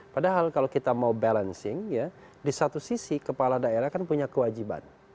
padahal kalau kita mau balancing di satu sisi kepala daerah kan punya kewajiban